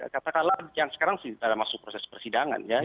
katakanlah yang sekarang masih dalam proses persidangan ya